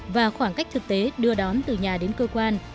và khoảng cách thực tế đưa đón từ nhà đến cơ quan